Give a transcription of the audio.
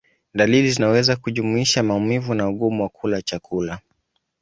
Dalili zinaweza kujumuisha maumivu na ugumu wa kula chakula.